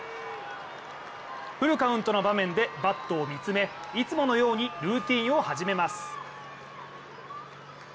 フルカウントの場面でバットを見つめいつものようにルーチンを始めます。